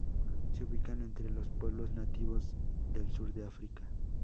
Se ubican entre los pueblos nativos del sur de África.